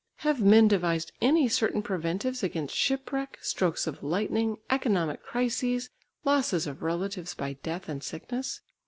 Have men devised any certain preventives against shipwreck, strokes of lightning, economic crises, losses of relatives by death and sickness?